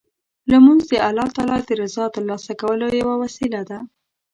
لمونځ د الله تعالی د رضا ترلاسه کولو یوه وسیله ده.